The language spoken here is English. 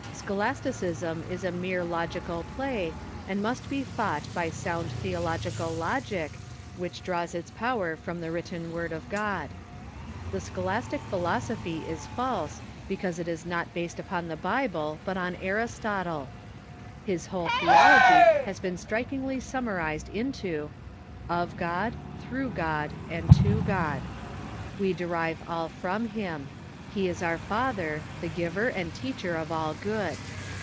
Scholas ticism is a mere logical play, and must be fought by sound theological logic, which draws its power from the written Word of God. The scholastic philosophy is false, because it is not based upon the Bible, but on Aristotle. His whole theology has been strikingly summarized into : Of God, through God, and to God. We derive all from him. He is our Father, the Giver and Teacher of all good.